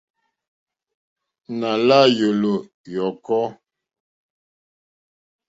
Nà la yòlò yɔ̀kɔ.